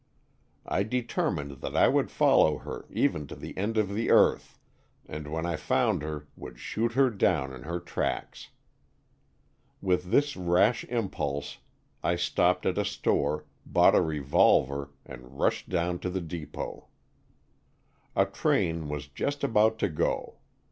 I determined that I would follow her even to the end of the earth, and when I found her would shoot her down in her tracks. With this rash impulse I stopped at a store, bought a revolver and rushed down to the depot. A train was just about to go.